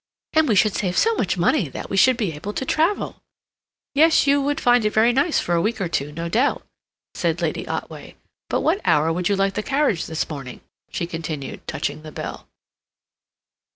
And we should save so much money that we should be able to travel—" "Yes. You would find it very nice for a week or two, no doubt," said Lady Otway. "But what hour would you like the carriage this morning?" she continued, touching the bell.